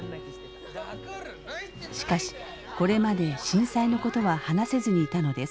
しかしこれまで震災のことは話せずにいたのです。